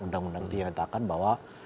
undang undang dia katakan bahwa